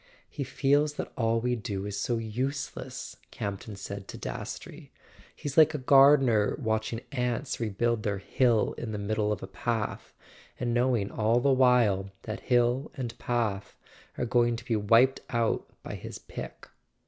"He feels that all we do is so useless," Campton said to Dastrey; "he's like a gardener watching ants re¬ build their hill in the middle of a path, and knowing all the while that hill and path are going to be wiped out by his pick."